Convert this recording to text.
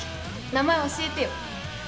名前教えてよ。